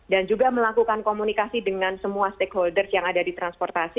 dan juga melakukan komunikasi dengan semua stakeholders yang ada di transportasi